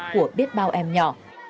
của biết bao em nhỏ